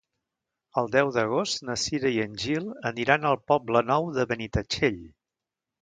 El deu d'agost na Cira i en Gil aniran al Poble Nou de Benitatxell.